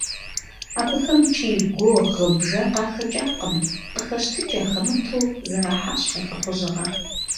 Абыхэм кӀий-гуо, гъы-бжэ къахэкӀакъым – къыхэщтыкӀ яхэмыту, зэрахьащ я лӀыхъужьыгъэр.